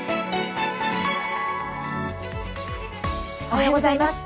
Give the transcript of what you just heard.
おはようございます。